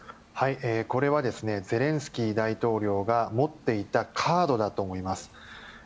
これはゼレンスキー大統領が持っていたカードだと思います。